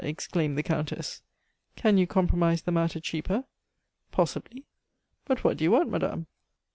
exclaimed the Countess. "Can you compromise the matter cheaper?" "Possibly." "But what do you want, madame?"